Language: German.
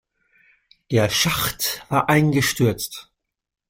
Der Schacht war eingestürzt.